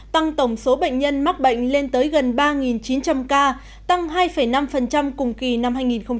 tăng tổng số bệnh nhân mắc bệnh lên tới gần ba chín trăm linh ca tăng hai năm cùng kỳ năm hai nghìn một mươi tám